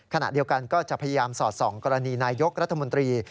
ขณะเดียวกันก็จะพยายามสอดส่องกรณีนายกรัฐมนตรี